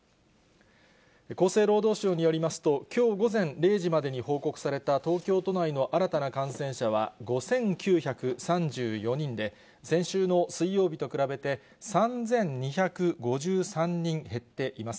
厚生労働省によりますと、きょう午前０時までに報告された東京都内の新たな感染者は５９３４人で、先週の水曜日と比べて、３２５３人減っています。